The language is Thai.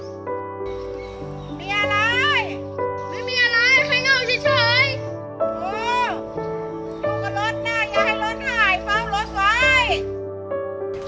หนูก็รถหน้าอย่าให้รถหายเฝ้ารถไว้